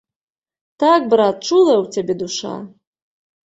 Так, брат, чулая ў цябе душа!